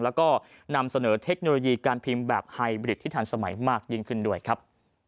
แล้วก็นำเสนอเทคโนโลยีการพิมพ์แบบไฮบริดที่ทันสมัยมากยิ่งขึ้นด้วยครับ